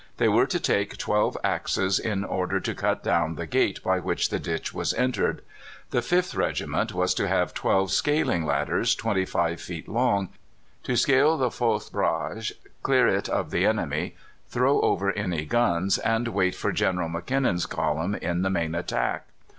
They were to take twelve axes in order to cut down the gate by which the ditch was entered. The 5th Regiment were to have twelve scaling ladders, 25 feet long, to scale the Fausse Brage, clear it of the enemy, throw over any guns, and wait for General M'Kinnon's column in the main attack.